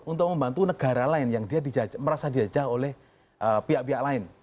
untuk membantu negara lain yang dia merasa diajah oleh pihak pihak lain